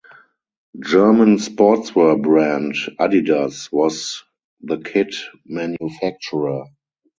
German sportswear brand Adidas was the kit manufacturer.